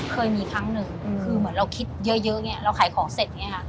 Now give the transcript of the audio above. เคยมีครั้งหนึ่งคือเหมือนเราคิดเยอะไงเราขายของเสร็จอย่างนี้ค่ะ